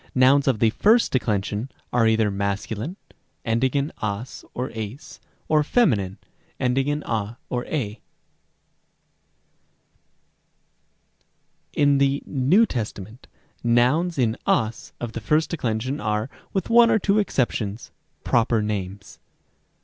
Rem. ὃ. Nouns of the first declension are either masculine, ending in as or 7s, or feminine, ending in a or ἡ. Rem. c. In the N. T., nouns in as of the first declension are, with one or two exceptions, proper names.